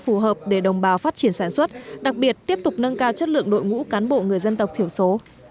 phù hợp để đồng bào phát triển sản xuất đặc biệt tiếp tục nâng cao chất lượng đội ngũ cán bộ người dân tộc thiểu số